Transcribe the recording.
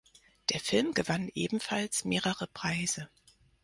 Der Film gewann ebenfalls mehrere Preise.